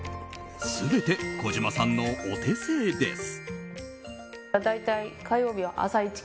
全て、こじまさんのお手製です。